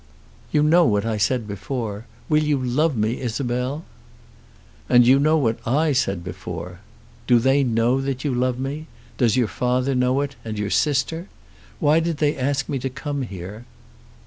"You know what I said before. Will you love me, Isabel?" "And you know what I said before. Do they know that you love me? Does your father know it, and your sister? Why did they ask me to come here?"